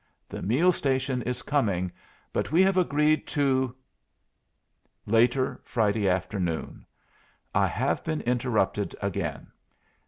The meal station is coming, but we have agreed to Later, Friday afternoon. I have been interrupted again.